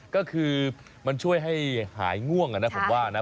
ก็คือมันช่วยให้หายง่วงนะผมว่านะ